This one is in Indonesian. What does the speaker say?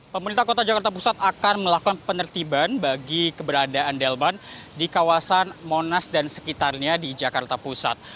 pemerintah kota jakarta pusat akan melakukan penertiban bagi keberadaan delman di kawasan monas dan sekitarnya di jakarta pusat